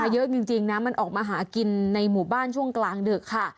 เยอะจริงนะมันออกมาหากินในหมู่บ้านช่วงกลางดึกค่ะ